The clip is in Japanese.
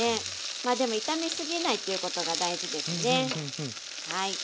まあでも炒めすぎないということが大事ですねはい。